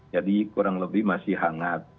jadi kurang lebih masih hangat